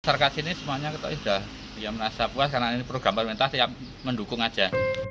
sarkas ini semuanya kita sudah merasa puas karena ini program parmentah siap mendukung saja